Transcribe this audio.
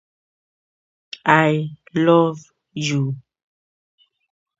Terminal railways are often co-owned by the railroads that connect with them.